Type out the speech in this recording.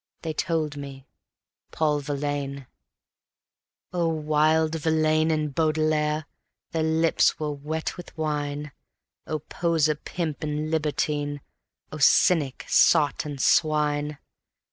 They told me: "Paul Verlaine." Oh, Wilde, Verlaine and Baudelaire, their lips were wet with wine; Oh poseur, pimp and libertine! Oh cynic, sot and swine!